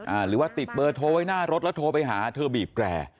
หรือว่าติดเบอร์โทรไว้หน้ารถแล้วโทรไปหาเธอบีบแกร่